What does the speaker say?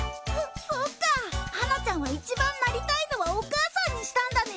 そっかはなちゃんはいちばんなりたいのはお母さんにしたんだね。